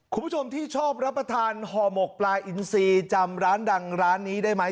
คุณผู้ชมที่ชอบรับประทานห่อหมกปลาอินซีจำร้านดังร้านนี้ได้ไหม